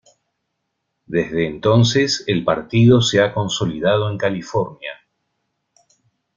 Desde entonces, el partido se ha consolidado en California.